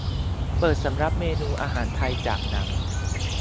เปิดสำรับเมนูอาหารไทยจากหนัง